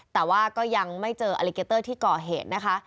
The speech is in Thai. แต่ว่าก็ยังไม่เจออลิเกเตอร์ที่ก่อเหตุนะคะ